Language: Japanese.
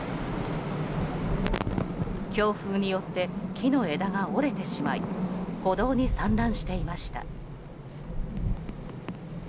強風によって木の枝が折れてしまい歩道に散乱していました。